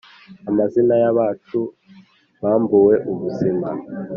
Amazina y'abacu bambuwe ubuzima